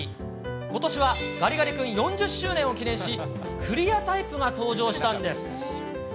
ことしはガリガリ君４０周年を記念し、クリアタイプが登場したんです。